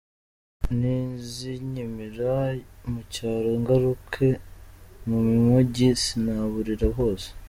Nizinyimira mu cyaro ngaruke mu mujyi sinaburira hose.